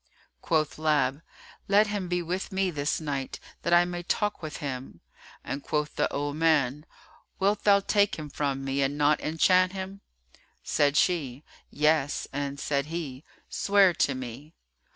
Quoth Lab, "Let him be with me this night, that I may talk with him;" and quoth the old man, "Wilt thou take him from me and not enchant him?" Said she, "Yes," and said he, "Swear to me."